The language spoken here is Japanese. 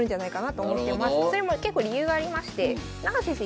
それも結構理由がありまして永瀬先生